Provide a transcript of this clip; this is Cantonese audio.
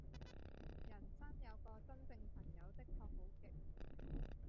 人生有個真正朋友的確好極